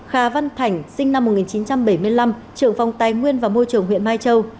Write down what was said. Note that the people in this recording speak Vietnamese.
hà văn thảnh sinh năm một nghìn chín trăm bảy mươi năm trưởng phòng tài nguyên và môi trường huyện mai châu